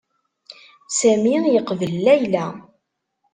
Sami yeqbel Layla.